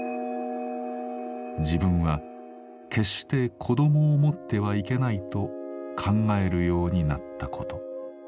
自分は決して子どもを持ってはいけないと考えるようになったこと。